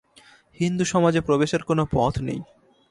হিন্দুসমাজে প্রবেশের কোনো পথ নেই।